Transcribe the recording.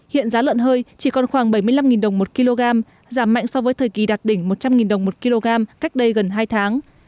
hiện giá lợn hơi chỉ còn khoảng bảy mươi năm đồng một kg giảm mạnh so với thời kỳ đạt đỉnh một trăm linh đồng một kg cách đây gần hai tháng